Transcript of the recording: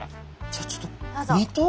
じゃあちょっと身と。